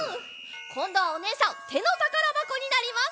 こんどはおねえさんてのたからばこになります。